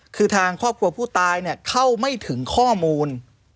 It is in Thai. คือทางครอบครัวผู้ตายเข้าไม่ถึงข้อมูล